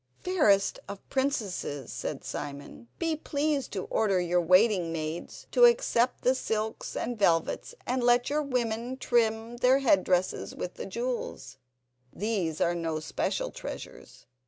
"Fairest of princesses," said Simon. "Be pleased to order your waiting maids to accept the silks and velvets, and let your women trim their head dresses with the jewels; these are no special treasures.